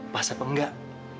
pas apa enggak